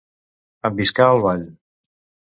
Enviscar el ball.